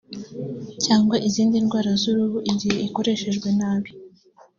cyangwa izindi ndwara z’uruhu igihe ikoreshejwe nabi